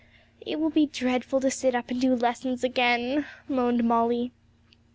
'It will be dreadful to sit up and do lessons again,' moaned Molly.